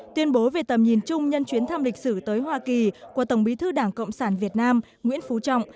tuyên bố về tầm nhìn chung nhân chuyến thăm lịch sử tới hoa kỳ của tổng bí thư đảng cộng sản việt nam nguyễn phú trọng